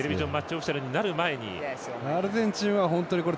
オフィシャルになる前に。